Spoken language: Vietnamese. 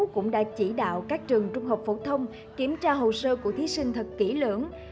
cũng đã chỉ đạo các trường trung học phổ thông kiểm tra hồ sơ của thí sinh thật kỹ lưỡng